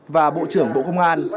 và bộ trưởng bộ công an